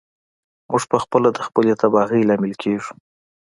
موږ پخپله د خپلې تباهۍ لامل کیږو.